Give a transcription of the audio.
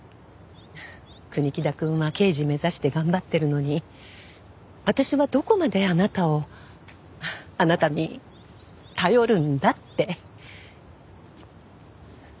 国木田くんは刑事目指して頑張ってるのに私はどこまであなたをあなたに頼るんだって。